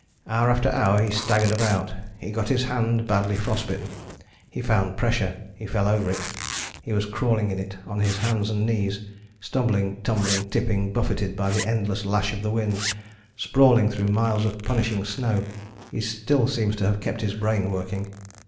Hour after hour he staggered about: he got his hand badly frost bitten: he found pressure: he fell over it: he was crawling in it, on his hands and knees. Stumbling, tumbling, tripping, buffeted by the endless lash of the wind, sprawling through miles of punishing snow, he still seems to have kept his brain working.